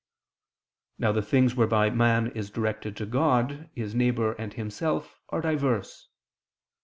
Now the things whereby man is directed to God, his neighbor, and himself are diverse.